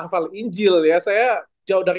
hafal injil ya saya jauh dari